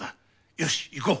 よし行こう